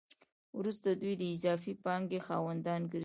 وروسته دوی د اضافي پانګې خاوندان ګرځي